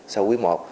so với quý một